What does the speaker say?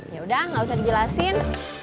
yaudah nggak usah dijelasin